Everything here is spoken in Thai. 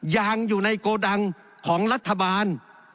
ยางอยู่ในโกดังของรัฐบาล